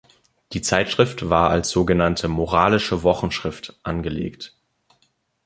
Die Zeitschrift war als so genannte moralische Wochenschrift angelegt.